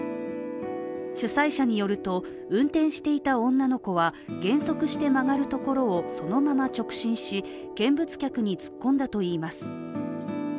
主催者によると、運転していた女の子は減速して曲がるところをそのまま直進し見物客に突っ込んだといいます。